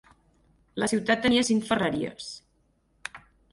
La ciutat tenia cinc ferreries.